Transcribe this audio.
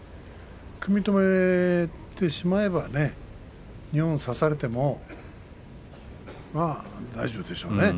組み止めてしまえば二本差されても大丈夫でしょうね。